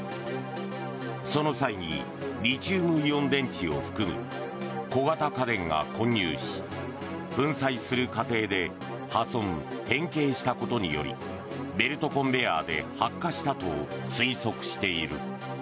その際にリチウムイオン電池を含む小型家電が混入し粉砕する過程で破損・変形したことによりベルトコンベヤーで発火したと推測している。